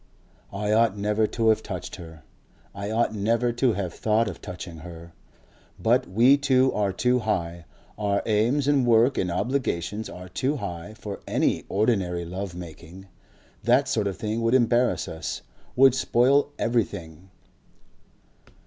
(I ought never to have touched her. I ought never to have thought of touching her.) But we two are too high, our aims and work and obligations are too high for any ordinary love making. That sort of thing would embarrass us, would spoil everything.